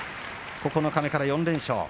九日目から４連勝。